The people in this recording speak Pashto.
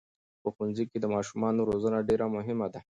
په ښوونځي کې د ماشومانو روزنه ډېره مهمه ده.